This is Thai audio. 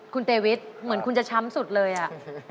คุณเตวิทเหมือนคุณจะช้ำสุดเลยอ่ะ